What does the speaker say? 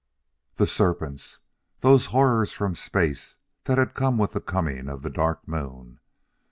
The serpents! those horrors from space that had come with the coming of the Dark Moon!